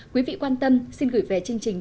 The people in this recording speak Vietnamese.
quý vị quan tâm xin gửi về chương trình